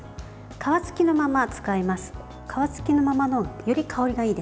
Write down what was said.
皮つきのまま使います。